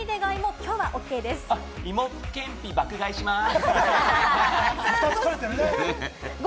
芋けんぴ、爆買いします！